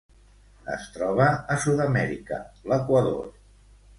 Es troba a Sud-amèrica: l'Equador.